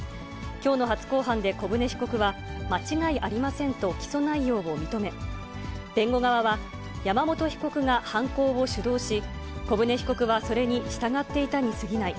きょうの初公判で小船被告は、間違いありませんと起訴内容を認め、弁護側は、山本被告が犯行を主導し、小船被告はそれに従っていたにすぎない。